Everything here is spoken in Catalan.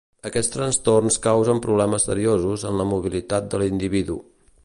Aquests trastorns causen problemes seriosos en la mobilitat de l'individu.